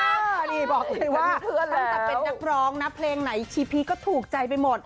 ตั้งแต่เป็นนักร้องนะเพลงไหนก็ถูกใจไปหมด